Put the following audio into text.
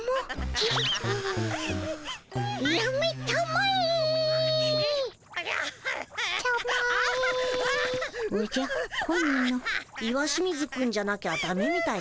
石清水くんじゃなきゃダメみたいだね。